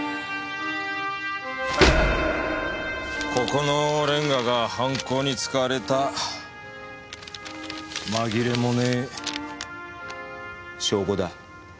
ここのレンガが犯行に使われたまぎれもねぇ証拠だ。